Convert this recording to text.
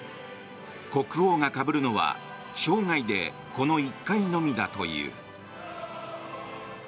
国王がかぶるのは生涯で、この１回のみだという。